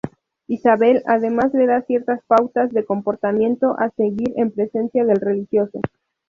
Isabel además le da ciertas pautas de comportamiento a seguir en presencia del religioso.